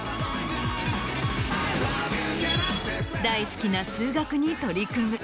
大好きな数学に取り組む。